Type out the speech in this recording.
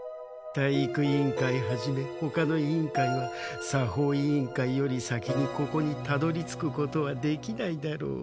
体育委員会はじめほかの委員会は作法委員会より先にここにたどりつくことはできないだろう。